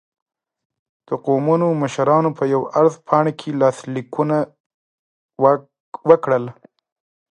د قومونو مشرانو په یوه عرض پاڼه کې لاسلیکونه وکړل.